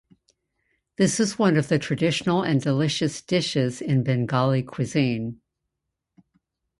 This is one of the traditional and delicious dishes in Bengali cuisine.